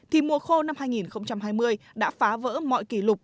thì mùa khô năm hai nghìn hai mươi đã phá vỡ mọi kỷ lục